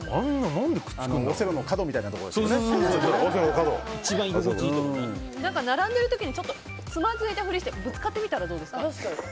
オセロの角みたいな並んでる時につまづいたふりしてぶつかってみたらどうですか。